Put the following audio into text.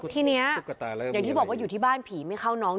ทีนี้อย่างที่บอกว่าอยู่ที่บ้านผีไม่เข้าน้อง